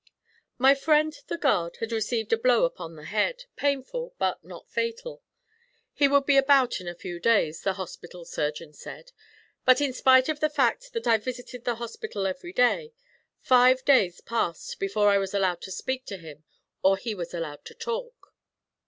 My friend the guard had received a blow upon the head, painful but not fatal. He would be about in a few days, the hospital surgeon said. But in spite of the fact that I visited the hospital every day, five days passed before I was allowed to speak to him or he was allowed to talk.